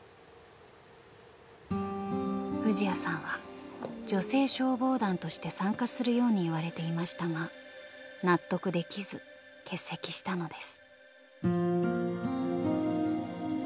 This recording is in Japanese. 藤彌さんは女性消防団として参加するように言われていましたが納得できず欠席したのです。